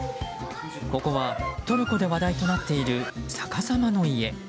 ここはトルコで話題となっているさかさまの家。